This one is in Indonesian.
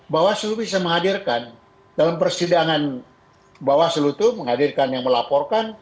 bawaslu bisa menghadirkan dalam persidangan bawaslu itu menghadirkan yang melaporkan